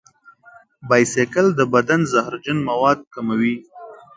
بایسکل د بدن زهرجن مواد کموي.